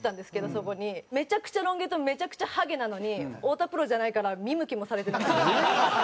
めちゃくちゃロン毛とめちゃくちゃハゲなのに太田プロじゃないから見向きもされてなかった。